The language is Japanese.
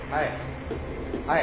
はい。